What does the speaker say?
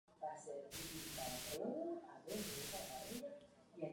En kazajo se dice Барлық елдеpдің пролетарлары, бірігіңдер!